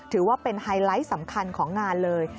ถือว่าเป็นไฮไลท์สำคัญของงานเลย